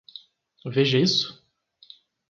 Veja isso?